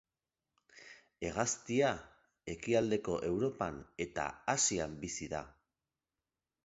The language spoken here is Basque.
Hegaztia ekialdeko Europan eta Asian bizi da.